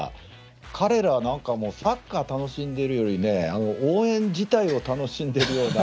彼らはサッカーを楽しんでいるより応援自体を楽しんでいるような。